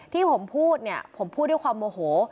ที่ผมพูดเนี่ยผมพูดด้วยความโมโห